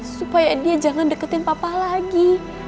supaya dia jangan deketin papa lagi